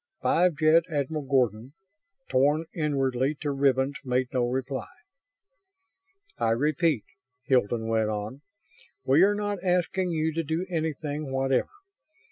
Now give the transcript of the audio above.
Five Jet Admiral Gordon, torn inwardly to ribbons, made no reply. "I repeat," Hilton went on, "we are not asking you to do anything whatever.